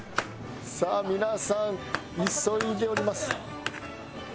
さあ皆さん急いでおります。